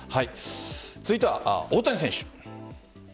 続いては大谷選手。